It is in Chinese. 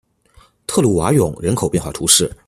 特鲁瓦永人口变化图示